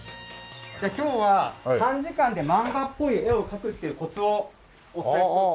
今日は短時間で漫画っぽい絵を描くっていうコツをお伝えしようと思います。